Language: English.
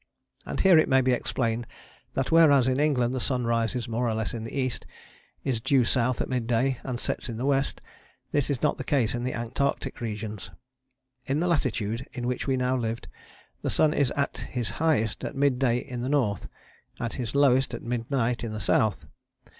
And here it may be explained that whereas in England the sun rises more or less in the east, is due south at mid day, and sets in the west, this is not the case in the Antarctic regions. In the latitude in which we now lived the sun is at his highest at mid day in the north, at his lowest at midnight in the south.